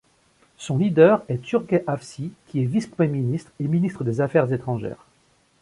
Son leader est Turgay Avci qui est vice-Premier ministre et ministre des Affaires étrangères.